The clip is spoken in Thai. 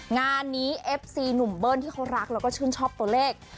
งานนี้เอฟซีหนุ่มเบิ้ลที่เขารักแล้วก็ชื่นชอบตัวเลข